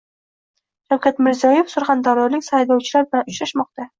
Shavkat Mirziyoyev surxondaryolik saylovchilar bilan uchrashmoqda